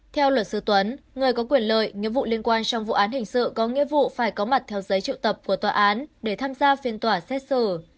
theo luật sư tuấn người có quyền lợi nhiệm vụ liên quan trong vụ án hình sự có nghĩa vụ phải có mặt theo giấy triệu tập của tòa án để tham gia phiên tòa xét xử